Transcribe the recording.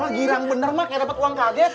wah girang bener ma kayak dapet uang kaget